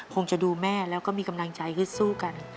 คงจะดูแม่แล้วก็มีกำลังใจฮึดสู้กัน